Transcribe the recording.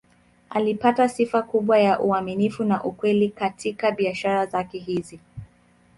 Alipata sifa kubwa ya uaminifu na ukweli katika biashara zake hizi.